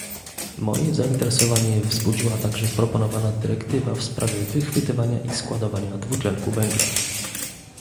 Moje zainteresowanie wzbudziła także proponowana dyrektywa w sprawie wychwytywania i składowania dwutlenku węgla